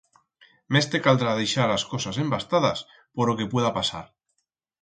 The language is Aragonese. Mes te caldrá deixar as cosas embastadas por o que pueda pasar.